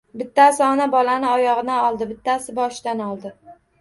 Bittasi ona-bolani oyog‘idan oldi, bittasi boshidan oldi.